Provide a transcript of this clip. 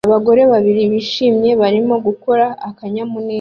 Abagore babiri bishimye barimo gukora akanyamuneza